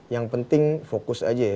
yang penting fokus aja ya